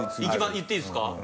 言っていいですか？